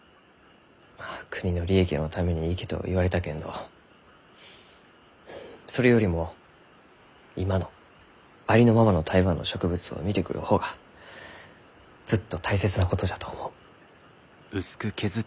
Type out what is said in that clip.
まあ「国の利益のために行け」と言われたけんどうんそれよりも今のありのままの台湾の植物を見てくる方がずっと大切なことじゃと思う。